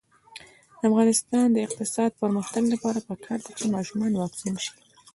د افغانستان د اقتصادي پرمختګ لپاره پکار ده چې ماشومان واکسین شي.